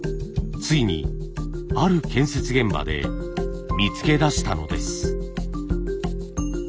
ついにある建設現場で見つけ出したのです。